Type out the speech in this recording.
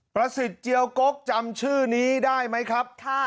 ประสิทธิ์เจียวกกจำชื่อนี้ได้ไหมครับ